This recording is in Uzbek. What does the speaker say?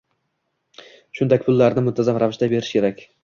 cho‘ntak pullarini muntazam ravishda berish kerak.